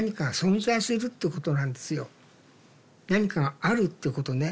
何かがあるってことね。